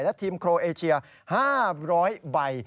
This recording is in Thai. และทีมโครเอเชีย๕๐๐ใบ